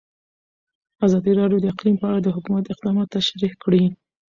ازادي راډیو د اقلیم په اړه د حکومت اقدامات تشریح کړي.